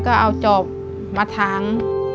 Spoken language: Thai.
เค้ามาเอาจอบมาถัง